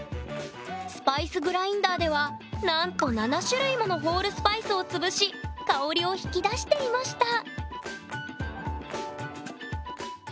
スパイスグラインダーではなんと７種類ものホールスパイスを潰し香りを引き出していました